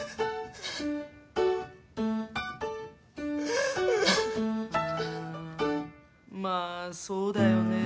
ああまあそうだよねぇ。